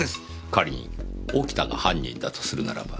仮に沖田が犯人だとするならば。